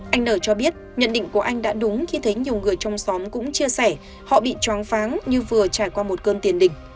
anh nở cho biết nhận định của anh đã đúng khi thấy nhiều người trong xóm cũng chia sẻ họ bị choáng pháng như vừa trải qua một cơn tiền đỉnh